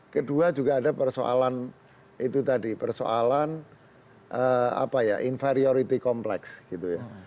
kedua juga ada persoalan itu tadi persoalan apa ya inferiority complex gitu ya